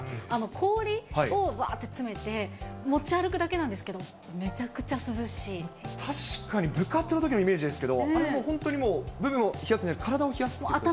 氷をばーって詰めて、持ち歩くだけなんですけど、めちゃくちゃ涼確かに、部活のときのイメージですけど、あれもう、本当にもう、部分を冷やすには、体を冷やすということですね。